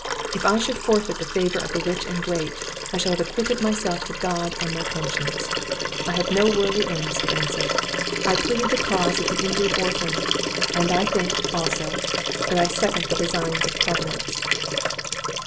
If I should forfeit the favour of the rich and great, I shall have acquitted myself to God and my conscience. I have no worldly ends to answer; I plead the cause of the injured orphan; and I think, also, that I second the designs of Providence."